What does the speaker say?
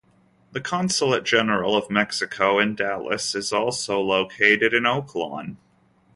The Consulate-General of Mexico in Dallas is also located in Oak Lawn.